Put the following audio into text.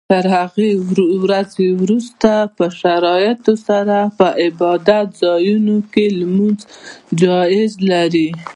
تر هغې ورځې وروسته په شرایطو سره په عبادت ځایونو کې لمونځ جواز لري.